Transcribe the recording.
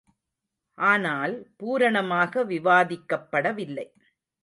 ஆனால், பூரணமாக விவாதிக்கப் படவில்லை.